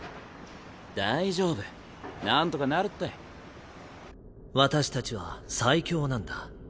大丈夫なんとかなるって私たちは最強なんだ。